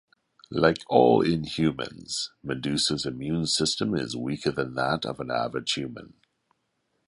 Like all Inhumans, Medusa's immune system is weaker than that of an average human.